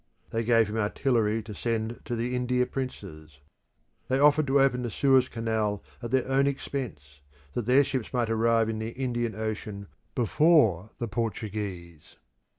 They gave him artillery to send to the India princes. They offered to open the Suez Canal at their own expense, that their ships might arrive in the Indian Ocean before the Portuguese.